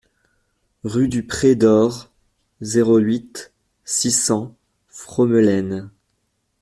Rue du Pré d'Haurs, zéro huit, six cents Fromelennes